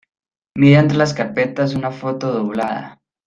mira entre las carpetas una foto doblada.